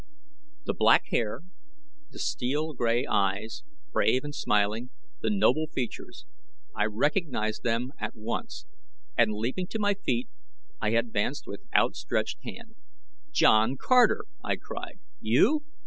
The black hair, the steel gray eyes, brave and smiling, the noble features I recognized them at once, and leaping to my feet I advanced with outstretched hand. "John Carter!" I cried. "You?"